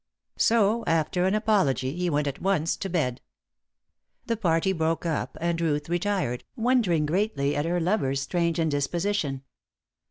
So, after an apology, he went at once to bed. The party broke up, and Ruth retired, wondering greatly at her lover's strange indisposition.